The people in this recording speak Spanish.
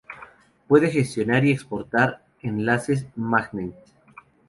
Puede gestionar y exportar enlaces magnet.